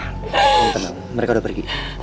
kamu tenang mereka udah pergi